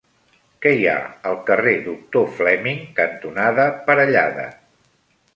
Què hi ha al carrer Doctor Fleming cantonada Parellada?